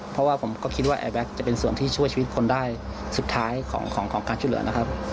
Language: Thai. เพราะว่าผมก็คิดว่าแอร์แก๊กจะเป็นส่วนที่ช่วยชีวิตคนได้สุดท้ายของการช่วยเหลือนะครับ